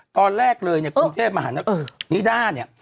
ตอนแรกเลยเนี่ยภูเชศมหาธนาคนิดาเนี่ย